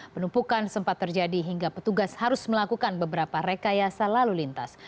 penumpukan sempat terjadi hingga petugas harus melakukan beberapa rekayasa lalu lintas